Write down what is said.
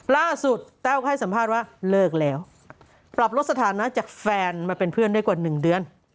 แต้วให้สัมภาษณ์ว่าเลิกแล้วปรับลดสถานะจากแฟนมาเป็นเพื่อนได้กว่า๑เดือน